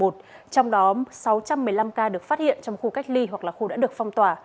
trong đó sáu trăm một mươi năm ca được phát hiện trong khu cách ly hoặc là khu đã được phong tỏa